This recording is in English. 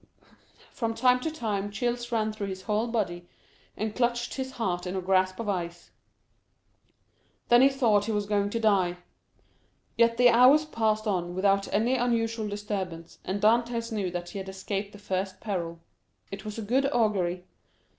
From time to time chills ran through his whole body, and clutched his heart in a grasp of ice. Then he thought he was going to die. Yet the hours passed on without any unusual disturbance, and Dantès knew that he had escaped the first peril. It was a good augury.